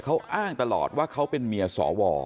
เขาอ้างตลอดว่าเขาเป็นเมียสว